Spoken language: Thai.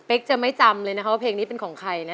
จะไม่จำเลยนะคะว่าเพลงนี้เป็นของใครนะ